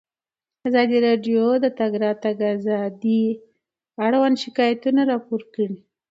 ازادي راډیو د د تګ راتګ ازادي اړوند شکایتونه راپور کړي.